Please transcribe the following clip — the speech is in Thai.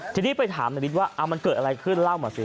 ทีนี้ไปถามนาริสว่ามันเกิดอะไรขึ้นเล่ามาสิ